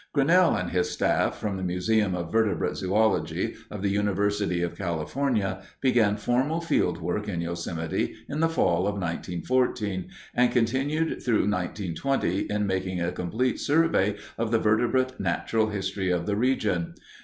Grinnell and his staff from the Museum of Vertebrate Zoölogy of the University of California began formal field work in Yosemite in the fall of 1914 and continued through 1920 in making a complete survey of the vertebrate natural history of the region.